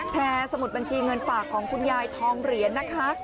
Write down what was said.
สมุดบัญชีเงินฝากของคุณยายทองเหรียญนะคะ